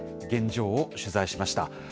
現状を取材しました。